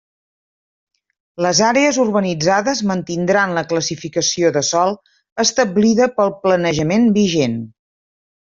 Les àrees urbanitzades mantindran la classificació de sòl establida pel planejament vigent.